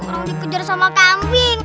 orang dikejar sama kambing